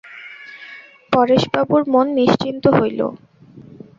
পরেশবাবুর মন নিশ্চিন্ত হইল।